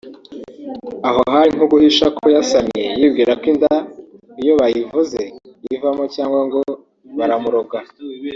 aho hari nk’uguhisha ko yasamye yibwira ko inda iyo bayivuze ivamo cyangwa ngo baramuroga